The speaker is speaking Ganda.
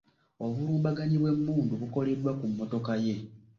Obulumbaganyi bw’emmundu bukoleddwa ku mmotoka ye .